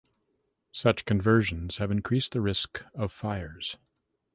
Such conversions have increased the risk of fires.